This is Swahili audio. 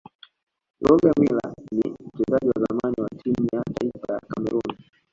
rogermiller ni mchezaji wa zamani wa timu ya taifa ya cameroon